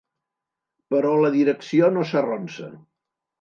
Però la direcció no s'arronsa.